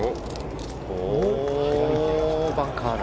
バンカーだ。